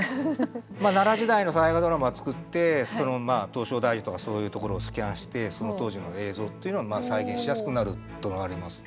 奈良時代の大河ドラマを作って唐招提寺とかそういうところをスキャンしてその当時の映像を再現しやすくなるのはありますね。